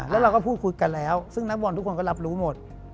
แล้วเราก็พูดคุยกันแล้วซึ่งนักบอลทุกคนก็รับรู้หมด